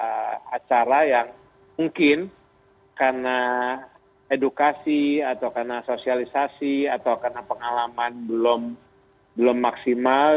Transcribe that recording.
ada acara yang mungkin karena edukasi atau karena sosialisasi atau karena pengalaman belum maksimal